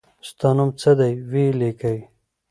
ستا نوم څه دی وي لیکی